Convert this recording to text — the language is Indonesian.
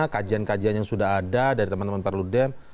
kajian kajian yang sudah ada dari teman teman perludem